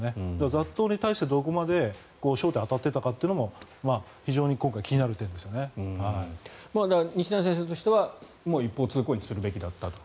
雑踏に対してどこまで当たっていたかも西成先生としては一方通行にしておくべきだったと。